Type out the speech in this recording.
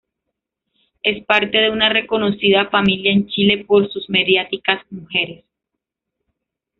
Es parte de una reconocida familia en Chile por sus mediáticas mujeres.